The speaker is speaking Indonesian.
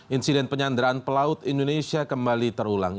insiden penyanderaan pelaut indonesia kembali terulang